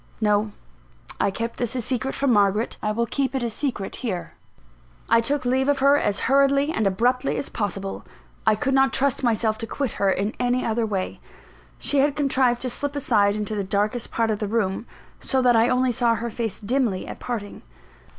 No: I kept this a secret from Margaret; I will keep it a secret here. I took leave of her as hurriedly and abruptly as possible I could not trust myself to quit her in any other way. She had contrived to slip aside into the darkest part of the room, so that I only saw her face dimly at parting.